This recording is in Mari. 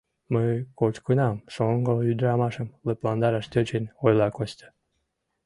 — Мый кочкынам, — шоҥго ӱдрамашым лыпландараш тӧчен, ойла Костя.